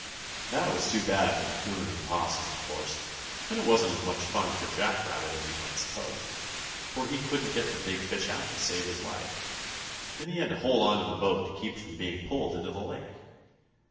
That was too bad for the 'Coon and the 'Possum, of course, and it wasn't as much fun for Jack Rabbit as you might suppose, for he couldn't get the big fish out to save his life, and he had to hold on to the boat to keep from being pulled into the lake.